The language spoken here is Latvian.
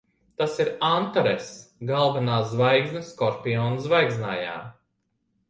Tas ir Antaress. Galvenā zvaigzne Skorpiona zvaigznājā.